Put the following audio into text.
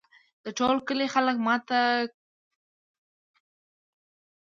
د ټول کلي خلک ماته کړي ښراوي